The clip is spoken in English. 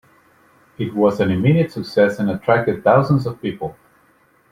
It was an immediate success and attracted thousands of people.